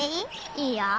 いいよ。